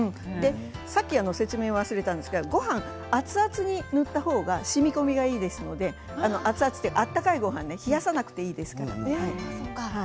さっき説明し忘れたんですけどごはん、熱々に入れた方がしみこみがいいですので温かいごはんね冷やさなくていいですから。